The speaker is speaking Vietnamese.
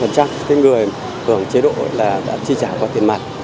cái người hưởng chế độ là đã chi trả qua tiền mặt